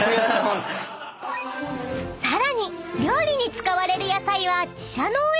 ［さらに料理に使われる］